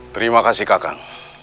terima kasih kakak